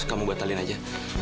kamu batalin aja